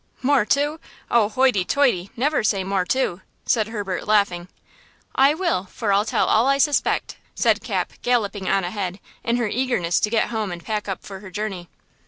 "'More, too!' Oh, hoity toity! Never say more, too!" said Herbert laughing. "I will, for I'll tell all I suspect!" said Cap, galloping on ahead, in her eagerness to get home and pack up for her journey.